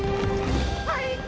はい。